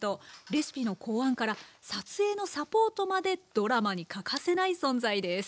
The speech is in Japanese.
レシピの考案から撮影のサポートまでドラマに欠かせない存在です。